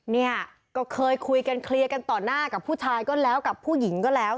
เนี่ยก็เคยคุยกันเคลียร์กันต่อหน้ากับผู้ชายก็แล้วกับผู้หญิงก็แล้ว